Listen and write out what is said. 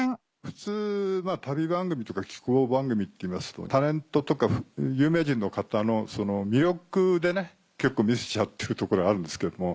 普通旅番組とか紀行番組っていいますとタレントとか有名人の方の魅力で結構見せちゃってるところあるんですけれども。